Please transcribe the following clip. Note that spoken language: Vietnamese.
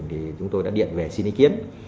thì chúng tôi đã điện về xin ý kiến